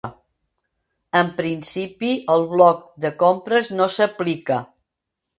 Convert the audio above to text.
En principi, el bloc de compres no s'aplica.